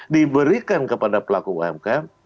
diberikan kepada pelaku umkm